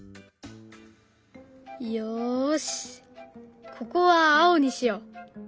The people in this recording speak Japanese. よしここは青にしよう。